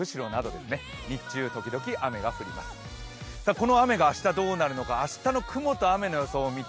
この雨が明日どうなるのか明日の雲と雨の予想です。